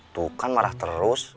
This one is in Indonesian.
tuh kan marah terus